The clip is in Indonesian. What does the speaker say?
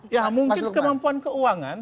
ya mungkin kemampuan keuangan